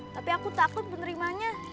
tapi aku takut menerimanya